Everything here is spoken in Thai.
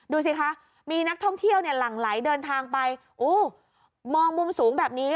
ดูสิคะมีนักท่องเที่ยวเนี่ยหลั่งไหลเดินทางไปอู้มองมุมสูงแบบนี้